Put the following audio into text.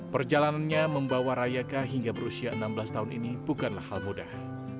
perjalanannya membawa rayaka hingga berusia enam belas tahun ini bukanlah hal mudah